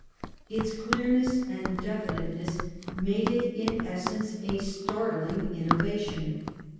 Its clearness and definiteness make it in essence a startling innovation.